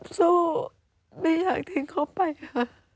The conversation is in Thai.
สู้ไม่อยากทิ้งเขาไปค่ะ